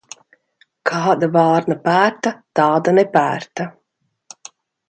Kāda vārna pērta, tāda nepērta.